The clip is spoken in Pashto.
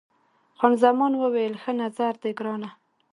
خان زمان وویل، ښه نظر دی ګرانه.